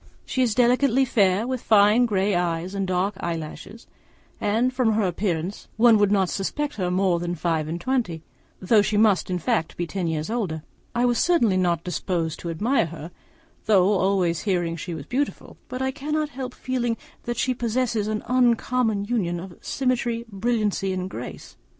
She is delicately fair, with fine grey eyes and dark eyelashes; and from her appearance one would not suppose her more than five and twenty, though she must in fact be ten years older. I was certainly not disposed to admire her, though always hearing she was beautiful; but I cannot help feeling that she possesses an uncommon union of symmetry, brilliancy, and grace.